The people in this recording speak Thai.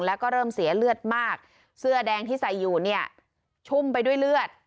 แล้วก็เริ่มเสียเลือดมากเสื้อแดงที่ใส่อยู่เนี่ยชุ่มไปด้วยเลือด